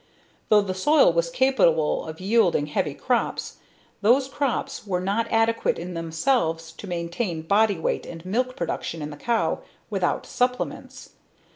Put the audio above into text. Though the soil was capable of yielding heavy crops, those crops were not adequate in themselves to maintain body weight and milk production in the cow, without supplements.